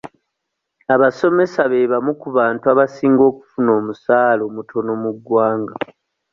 Abasomesa be bamu ku bantu abasinga okufuna omusaala omutono mu ggwanga.